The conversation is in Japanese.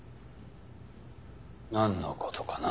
なんの事かな。